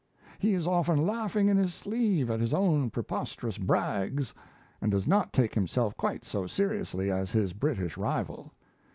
He is often laughing in his sleeve at his own preposterous brags, and does not take himself quite so seriously as his British rival.